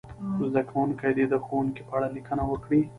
زده کوونکي دې د ښوونکي په اړه لیکنه وکړي.